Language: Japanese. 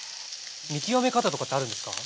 見極め方とかってあるんですか？